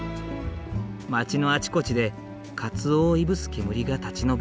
町のあちこちで鰹をいぶす煙が立ち上る。